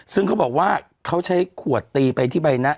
ซึ่งเขาบอกว่าเขาใช้ขวดตีไปที่ใบหน้า